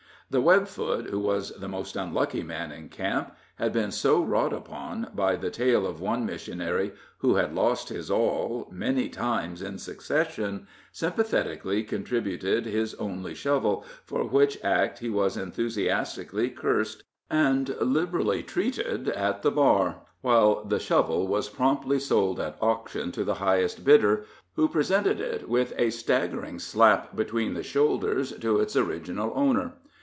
"The Webfoot," who was the most unlucky man in camp, had been so wrought upon by the tale of one missionary who had lost his all many times in succession, sympathetically contributed his only shovel, for which act he was enthusiastically cursed and liberally treated at the bar, while the shovel was promptly sold at auction to the highest bidder, who presented it, with a staggering slap between the shoulders, to its original owner.